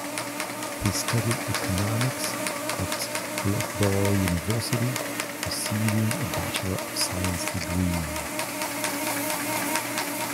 He studied economics at Loughborough University, receiving a Bachelor of Science degree.